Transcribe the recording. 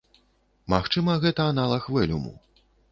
Магчыма, гэта аналаг вэлюму.